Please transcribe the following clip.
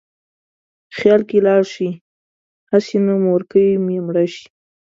خیال کې لاړ شې: هسې نه مورکۍ مې مړه شي